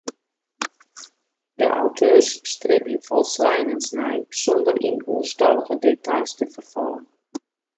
De auteurs stribje folsleinens nei sûnder yn oerstallige details te ferfallen.